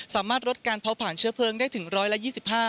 สามารถลดการเผาผ่านเชื้อเพลิงได้ถึง๑๒๕